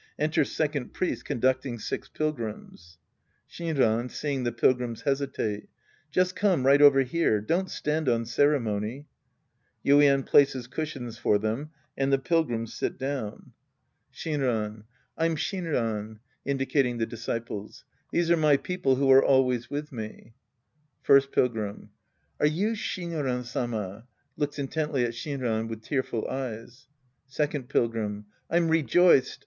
Enter Second Priest conducting six Pilgrims.) Shinran {seeing the Pilgrims hesitate^ Just come right over here. Don't stand on ceremony. (Yuien places cushions for them, and the Pil^riins si(t down.) 84 The Priest and His Disciples Act II Shinran. I'm Shinran. {Indicating the disciples!) These are my people who are always with me. First Pilgrim. Are you Sliinran Sama ? {Looks intently at Shinran with tearful eyes.) Second Pilgrim. I'm rejoiced.